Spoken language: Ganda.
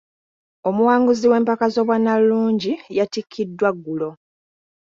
Omuwanguzi w'empaka z'obwannalulungi yatikkiddwa ggulo.